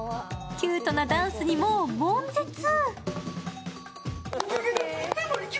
キュートなダンスにもうもん絶。